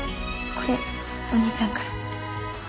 これお義兄さんから。